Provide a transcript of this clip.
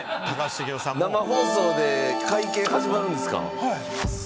生放送で会見が始まるんですか？